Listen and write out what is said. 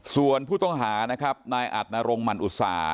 ส่วนผู้ต้องหานะครับนายอัดนรงมันอุตสา